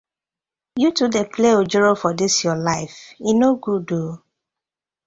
Yu too dey play ojoro for dis yu life, e no good ooo.